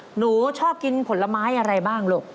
หนูชอบกินผลไม้อะไรบ้างลูก